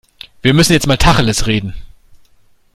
Wir müssen jetzt mal Tacheles reden.